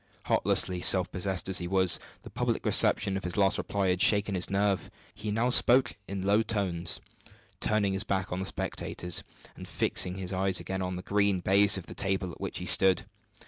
Heartlessly self possessed as he was, the public reception of his last reply had shaken his nerve. He now spoke in low tones, turning his back on the spectators, and fixing his eyes again on the green baize of the table at which he stood.